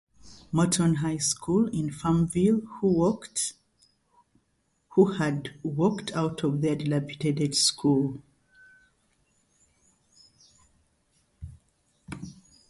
Moton High School in Farmville who had walked out of their dilapidated school.